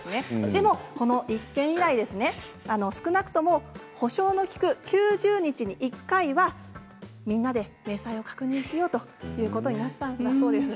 でも、この一件以来、少なくとも補償の利く９０日に１回はみんなで明細を確認しようということになったんだそうです。